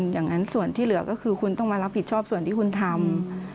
อย่างนั้นส่วนที่เหลือก็คือคุณต้องมารับผิดชอบส่วนที่คุณทำ